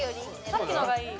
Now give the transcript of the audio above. さっきの方がいい。